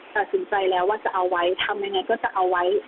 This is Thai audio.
ตัดสินใจแล้วว่าจะเอาไว้ทำยังไงก็จะเอาไว้